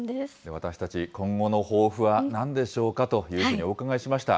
私たち、今後の抱負はなんでしょうかというふうにお伺いしました。